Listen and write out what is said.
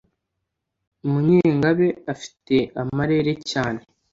munyengabe afite amarere cyane